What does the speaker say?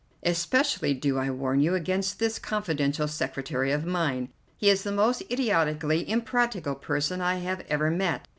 Especially do I warn you against this confidential secretary of mine. He is the most idiotically impractical person I have ever met.